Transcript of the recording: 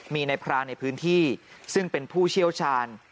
มีในพรานในพื้นที่ซึ่งเป็นผู้เชี่ยวชาญ